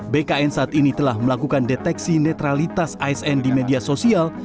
bkn saat ini telah melakukan deteksi netralitas asn di media sosial